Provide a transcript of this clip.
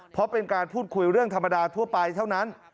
เพราะเป็นการพูดคุยเรื่องธรรมดาทั่วไปเท่านั้น